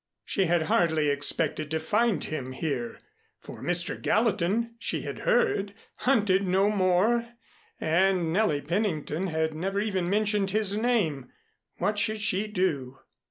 She had hardly expected to find him here, for Mr. Gallatin, she had heard, hunted no more and Nellie Pennington had never even mentioned his name. What should she do?